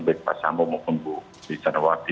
baik pak sambu maupun bu putri candrawati